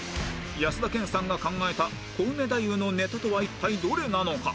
安田顕さんが考えたコウメ太夫のネタとは一体どれなのか